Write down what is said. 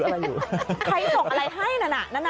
ใครส่งอะไรให้นั้นน่ะ